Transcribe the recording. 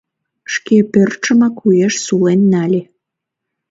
Шке пӧртшымак уэш сулен нале.